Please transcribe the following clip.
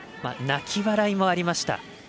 泣き笑いもありました。